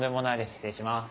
失礼します。